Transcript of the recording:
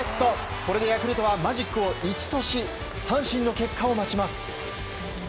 これでヤクルトはマジックを１とし阪神の結果を待ちます。